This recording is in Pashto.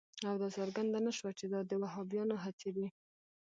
او دا څرګنده نه شوه چې دا د وهابیانو هڅې دي.